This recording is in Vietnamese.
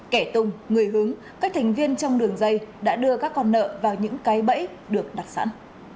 kẻ tung người hướng các thành viên trong đường dây đã đưa các con nợ vào những cái bẫy được đặt sẵn